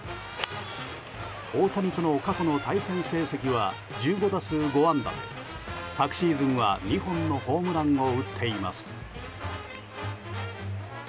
大谷との過去の対戦成績は１５打数５安打で昨シーズンは２本のホームランを打っています。